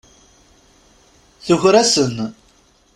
Tuker-asen.